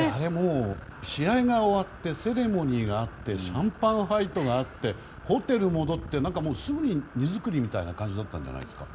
試合が終わってセレモニーがあってシャンパンファイトがあってホテル戻ってすぐに荷造りみたいな感じだったんじゃないですか。